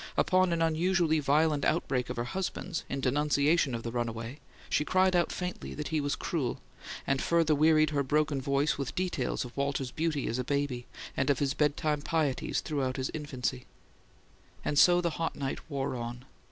Upon an unusually violent outbreak of her husband's, in denunciation of the runaway, she cried out faintly that he was cruel; and further wearied her broken voice with details of Walter's beauty as a baby, and of his bedtime pieties throughout his infancy. So the hot night wore on.